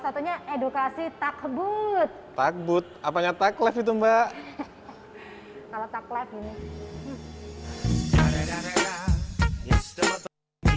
satunya edukasi taksebud tak abs above atot oddumbal kalau takfrui